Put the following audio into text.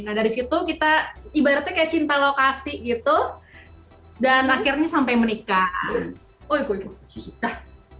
nah dari situ kita ibaratnya kayak cinta lokasi gitu dan akhirnya sampai menikah